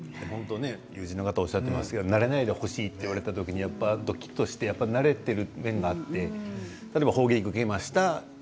友人の方たちおっしゃっていましたけど慣れないでほしいと言われた時にどきっとして慣れている面があって例えば、砲撃を受けました。